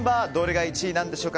どれが１位なんでしょうか。